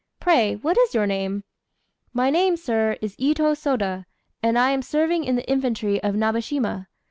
Pray what is your name?" "My name, sir, is Itô Sôda, and I am serving in the infantry of Nabéshima.